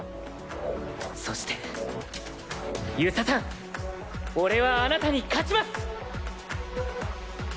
そして遊佐さん俺はあなたに勝ちます！